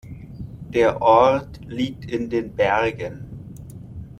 Der Ort liegt in den Bergen.